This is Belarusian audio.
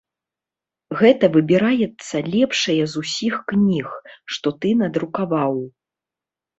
Гэта выбіраецца лепшае з усіх кніг, што ты надрукаваў.